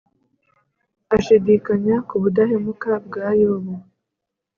Ashidikanya ku budahemuka bwa Yobu